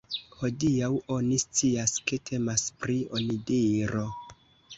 Hodiaŭ oni scias ke temas pri onidiro.